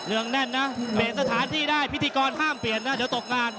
งแน่นนะเปลี่ยนสถานที่ได้พิธีกรห้ามเปลี่ยนนะเดี๋ยวตกงาน